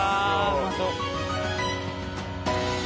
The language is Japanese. うまそう。